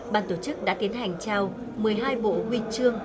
ban tổ chức đã tiến hành trao một mươi hai bộ huy chương